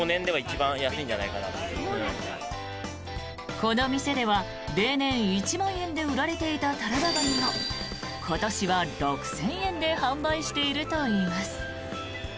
この店では例年１万円で売られていたタラバガニを今年は６０００円で販売しているといいます。